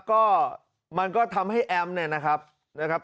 ก็มันก็ทำให้แอมเนี่ยนะครับ